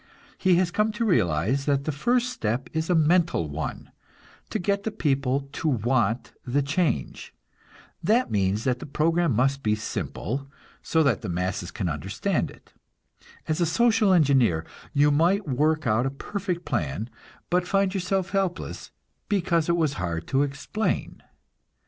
He has come to realize that the first step is a mental one; to get the people to want the change. That means that the program must be simple, so that the masses can understand it. As a social engineer you might work out a perfect plan, but find yourself helpless, because it was hard to explain.